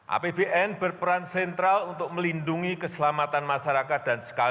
apbn berperan sentral untuk melindungi keselamatan masyarakat dan sekaligus